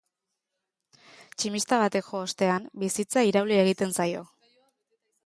Tximista batek jo ostean, bizitza irauli egiten zaio.